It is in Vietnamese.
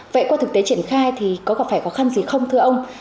vậy qua thực tế triển khai thì có gặp phải khó khăn gì không thưa ông